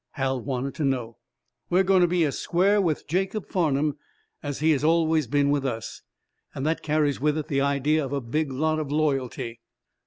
Hal wanted to know. "We're going to be as square with Jacob Farnum as he has always been with us. That carries with it the idea of a big lot of loyalty."